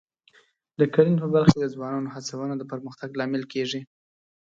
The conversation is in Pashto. د کرنې په برخه کې د ځوانانو هڅونه د پرمختګ لامل کېږي.